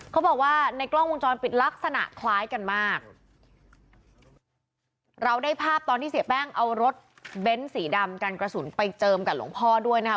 เขาบอกว่าในกล้องวงจรปิดลักษณะคล้ายกันมากเราได้ภาพตอนที่เสียแป้งเอารถเบ้นสีดำกันกระสุนไปเจิมกับหลวงพ่อด้วยนะคะ